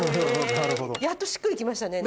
やっとしっくり来ましたね。